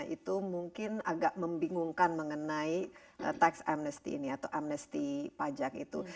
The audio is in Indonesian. itu mungkin agak membingungkan mengenai tax amnesty ini atau amnesty pajak itu